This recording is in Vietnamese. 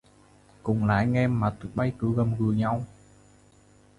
Cũng là anh em mà tụi bay cứ gầm gừ nhau